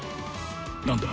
何だ？